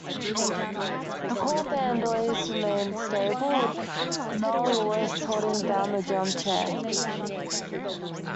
The core band always remained stable with Mel Lewis holding down the drum chair.